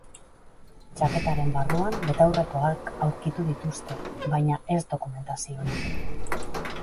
Txaketaren barruan betaurrekoak aurkitu dituzte, baina ez dokumentaziorik.